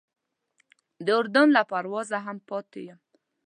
د اردن له پروازه هم پاتې یم.